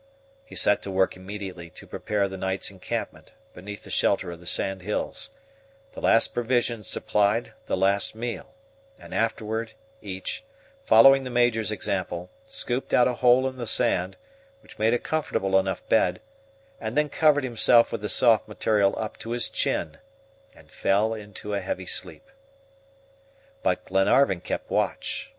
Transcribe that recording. He set to work immediately to prepare the night's encampment beneath the shelter of the sand hills; the last provisions supplied the last meal, and afterward, each, following the Major's example, scooped out a hole in the sand, which made a comfortable enough bed, and then covered himself with the soft material up to his chin, and fell into a heavy sleep. But Glenarvan kept watch.